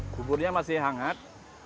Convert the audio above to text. buburnya masih hangat